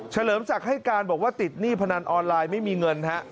เลิมศักดิ์ให้การบอกว่าติดหนี้พนันออนไลน์ไม่มีเงินฮะ